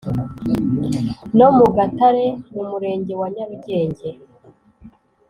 no mu Gatare mu murenge wa Nyarugenge